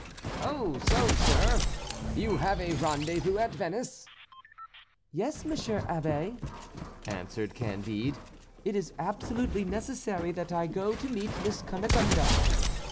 "And so, sir, you have a rendezvous at Venice?" "Yes, monsieur Abbé," answered Candide. "It is absolutely necessary that I go to meet Miss Cunegonde."